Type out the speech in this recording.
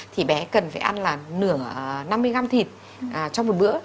thì bé cần phải ăn là nửa năm mươi gram thịt trong một bữa